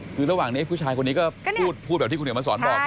คือระหว่างนี้ผู้ชายคนนี้ก็พูดแบบที่คุณเหนียวมาสอนบอก